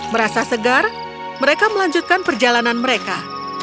merasa segar mereka melanjutkan perjalanan mereka